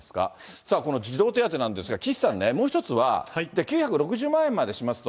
さあこの児童手当なんですが、岸さんね、もう１つは、９６０万円までしますと。